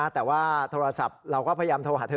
แต่ว่าโทรศัพท์เราก็พยายามโทรหาเธอ